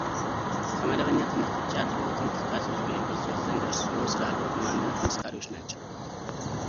ከመደበኛ ትምህርት ውጭ ያለዎት እንቅስቃሴዎች በዩኒቨርስቲዎች ዘንድ እርስዎ ስላለዎት ማንነት መስካሪዎች ናቸው።